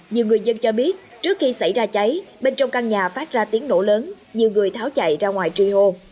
nhiều người dân cho biết trước khi xảy ra cháy bên trong căn nhà phát ra tiếng nổ lớn nhiều người tháo chạy ra ngoài truy hô